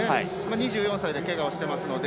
２４歳でけがをしていますので。